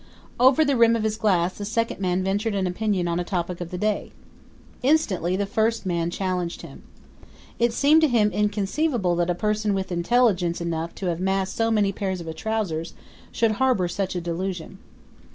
Over the rim of his glass the second man ventured an opinion on a topic of the day. Instantly the first man challenged him. It seemed to him inconceivable that a person with intelligence enough to have amassed so many pairs of trousers should harbor such a delusion.